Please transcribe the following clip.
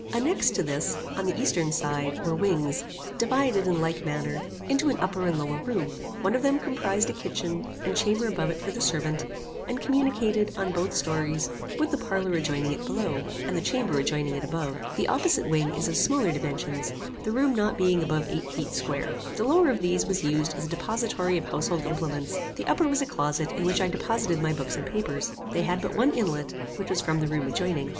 Annexed to this, on the eastern side, were wings, divided, in like manner, into an upper and lower room; one of them comprized a kitchen, and chamber above it for the servant, and communicated, on both stories, with the parlour adjoining it below, and the chamber adjoining it above. The opposite wing is of smaller dimensions, the rooms not being above eight feet square. The lower of these was used as a depository of household implements, the upper was a closet in which I deposited my books and papers. They had but one inlet, which was from the room adjoining.